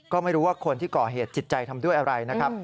ก็ไม่รู้ว่าคนที่ก่อเหตุจิตใจทำด้วยอะไรนะครับ